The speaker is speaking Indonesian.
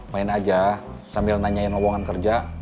main aja sambil nanyain lowongan kerja